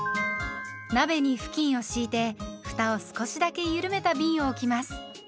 鍋に布巾を敷いてふたを少しだけゆるめたびんを置きます。